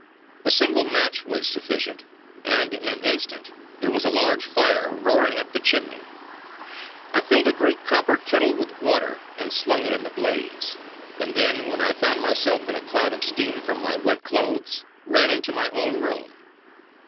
A single match was sufficient, and in an instant, there was a large fire roaring up the chimney. I filled a great copper kettle with water and slung it in the blaze, and then, when I found myself in a cloud of steam from my wet clothes, ran into my own room.